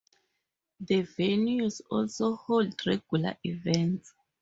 The venues also hold regular events.